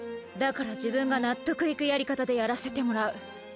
だから自分が納得いくやり方でやらせてもらう。